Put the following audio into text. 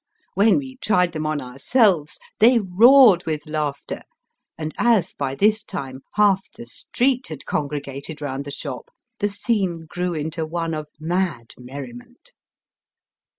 When we tried them on ourselves they roared with laughter, and as by this time half the street had congregated round the shop, the scene grew into one of mad memment.